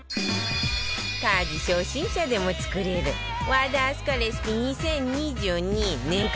家事初心者でも作れる和田明日香レシピ２０２２年間